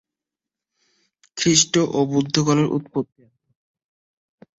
খ্রীষ্ট ও বুদ্ধগণের উৎপত্তি এইরূপেই।